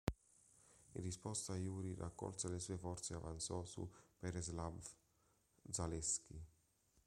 In risposta Jurij raccolse le sue forze e avanzò su Pereslavl'-Zalesskij.